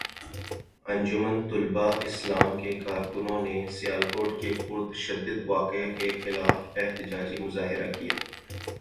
انجمن طلباء اسلام کے کارکنوں نے سیالکوٹ کے پرتشدد واقعے کے خلاف احتجاجی مظاہرہ کیا